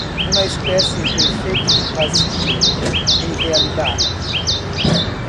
Una especie de fake vacío, en realidad.